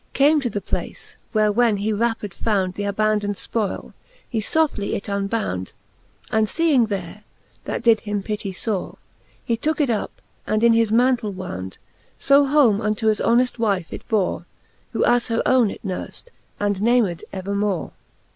Came to the place, where when he wrapped found Th' abandon'd fpoyle, he foftly it unbound ; And feeing there, that did him pittie fore, He tooke it up, and in his mantle wound ; So home unto his honeft wife it bore. Who as her owne it nurft, and named evermore.